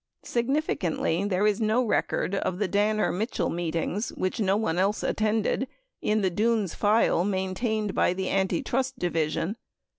Significantly, there is no record of the Danner Mitchell meetings, which no one else attended, in the Dunes file maintained by the Anti trust Division.